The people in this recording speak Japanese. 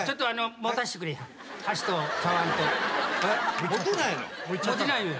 持てないのよ。